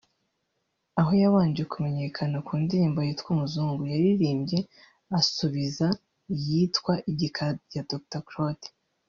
aho yabanje kumenyekana ku ndirimbo yitwa Umuzungu yaririmbye asubiza iyitwa Igikara ya Dr Claude